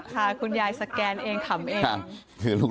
ค่ะคุณยายสแกนเองขัมเอง